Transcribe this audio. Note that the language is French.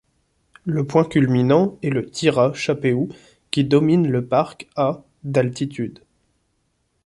Le point culminant est le Tira Chapéu qui domine le parc à d'altitude.